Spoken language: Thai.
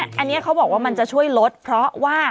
อันนี้เขาบอกว่ามันจะช่วยลดเพราะว่า